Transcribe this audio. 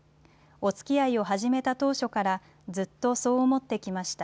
おつきあいを始めた当初からずっとそう思ってきました。